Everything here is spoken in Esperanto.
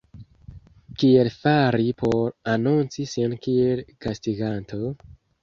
Kiel fari por anonci sin kiel gastiganto?